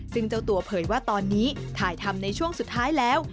ซึ่งเจ้าตัวเผยว่าตอนนี้ถ่ายทำในช่วงสุดท้ายแล้ว